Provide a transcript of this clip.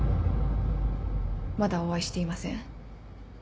まだお会いしていません。